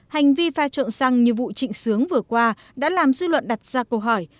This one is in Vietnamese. hành vi pha trộn xăng như vụ trịnh sướng vừa qua đã làm dư luận đặt ra câu hỏi